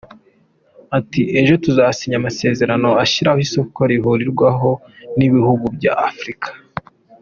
Aati “Ejo tuzasinya amasezerano ashyiraho Isoko Rihuriweho n’Ibihugu bya Afurika.